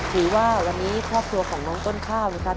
ถือว่าวันนี้ครอบครัวของน้องต้นข้าวนะครับ